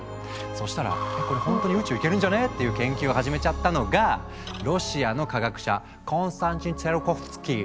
そしたら「えこれほんとに宇宙行けるんじゃね？」っていう研究を始めちゃったのがロシアの科学者コンスタンチン・ツィオルコフスキー。